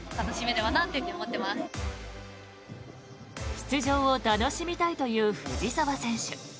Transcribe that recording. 出場を楽しみたいという藤澤選手。